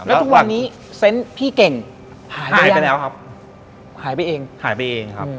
แล้วทุกวันนี้เซนต์พี่เก่งหายไปแล้วครับหายไปเองหายไปเองครับ